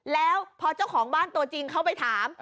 แล้วพอเจ้าของบ้านตัวจริงเข้าไปถาม